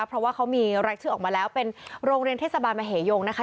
เพราะว่าเขามีรายชื่อออกมาแล้วเป็นโรงเรียนเทศบาลมเหยงนะคะ